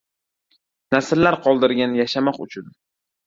Nasllar qoldirgin yashamoq uchun!